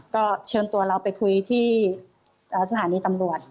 ก็เชิญตัวเราไปคุยที่สถานีตำรวจ